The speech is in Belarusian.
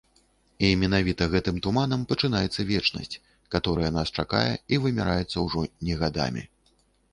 І менавіта гэтым туманам пачынаецца вечнасць, каторая нас чакае і вымяраецца ўжо не гадамі.